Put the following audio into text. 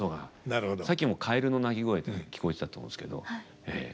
さっきも蛙の鳴き声聞こえてたと思うんですけどええ。